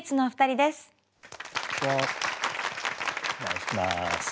お願いします。